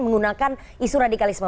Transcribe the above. menggunakan isu radikalisme